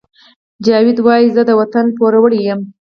جاوید وایی زه د وطن پوروړی یم